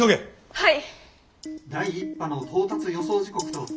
はい。